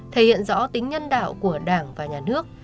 thể hiện rõ tính nhân đạo của đảng và nhà nước